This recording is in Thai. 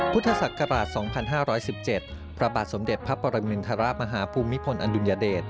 พุทธศักราช๒๕๑๗พระบาทสมเด็จพระปรมินทรมาฮภูมิพลอดุลยเดช